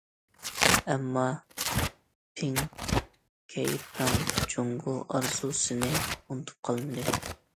ئەمما، پىڭ كەيپىڭ جۇڭگو ئارزۇسىنى ئۇنتۇپ قالمىدى.